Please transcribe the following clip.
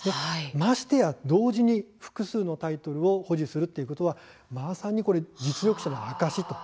ましてや同時に複数のタイトルを保持するということはまさに実力者の証し